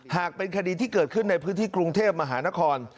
หากเป็นคดีที่เกิดขึ้นในพื้นที่กรุงเทพมหานคร